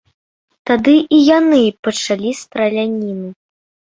Тады і яны пачалі страляніну.